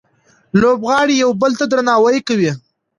لوبغاړي یو بل ته درناوی کوي.